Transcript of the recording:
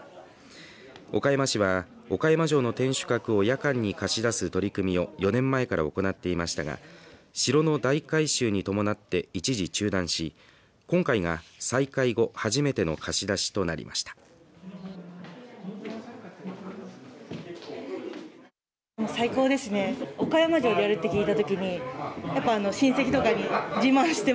岡山市は岡山城の天守閣を夜間に貸し出す取り組みを４年前から行っていましたが城の大改修に伴って一時中断し今回が再開後初めての貸し出しとなりました。